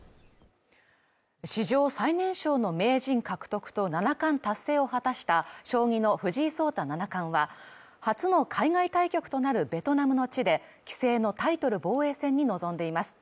史上最年少の名人獲得と七冠達成を果たした将棋の藤井聡太七冠は初の海外対局となるベトナムの地で棋聖のタイトル防衛戦に臨んでいます。